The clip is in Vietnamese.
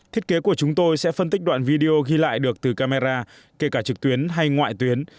thiết kế của chúng tôi sẽ phân tích đoạn video ghi lại được từ camera kể cả trực tuyến hay ngoại tuyến